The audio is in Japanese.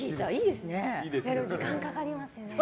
でも時間がかかりますね。